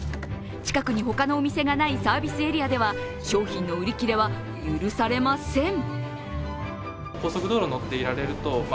近くに他のお店がないサービスエリアでは商品の売り切れは許されません。